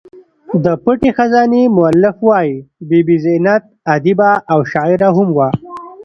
د پټې خزانې مولف وايي بي بي زینب ادیبه او شاعره هم وه.